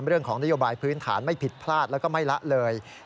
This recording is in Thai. เรื่องของนโยบายพื้นฐานไม่ผิดพลาดแล้วก็ไม่ละเลย